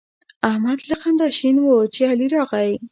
احمد له خندا شین وو چې علي راغی.